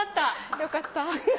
よかった。